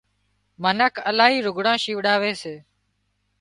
منک الاهي لگھڙان شيوڙاوي سي